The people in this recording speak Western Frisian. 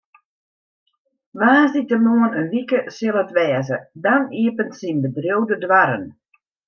Woansdeitemoarn in wike sil it wêze, dan iepenet syn bedriuw de doarren.